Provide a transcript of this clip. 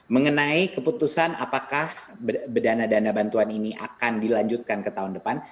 mengenai keputusan apakah dana dana bantuan ini akan dilanjutkan ke tahun depan